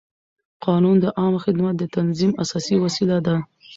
قانون د عامه خدمت د تنظیم اساسي وسیله ده.